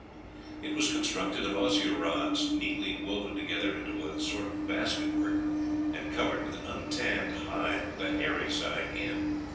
It was constructed of osier rods neatly woven together into a sort of basket work, and covered with an untanned hide with the hairy side in.